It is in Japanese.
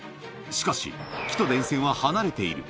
しかし、木と電線は離れている。